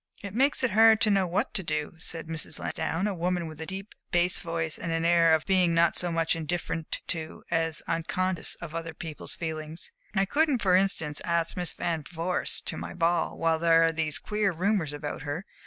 "It makes it hard to know what to do," said Mrs. Lansdowne, a woman with a deep bass voice and an air of being not so much indifferent to, as unconscious of other people's feelings. "I couldn't for instance ask Miss Van Vorst to my ball while there are these queer rumors about her.